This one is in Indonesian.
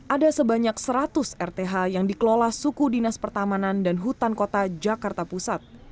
ada sebanyak seratus rth yang dikelola suku dinas pertamanan dan hutan kota jakarta pusat